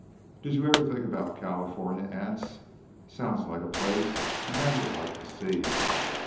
"Did you ever think about California, Anse? Sounds like a place a man would like to see."